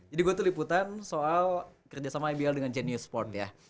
jadi gue tuh liputan soal kerja sama abl dengan genius sport ya